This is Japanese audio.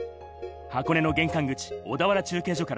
箱根の玄関口・小田原中継所から